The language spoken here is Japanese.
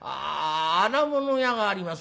荒物屋があります